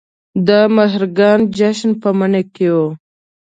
د مهرګان جشن په مني کې و